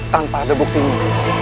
tanpa ada buktinya